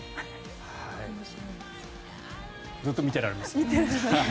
ずっと見てられますね。